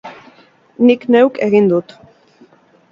Nik neuk egin dut.